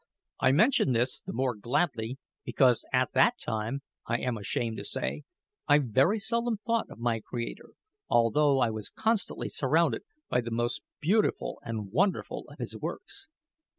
I mention this the more gladly, because at that time, I am ashamed to say, I very seldom thought of my Creator, although I was constantly surrounded by the most beautiful and wonderful of His works.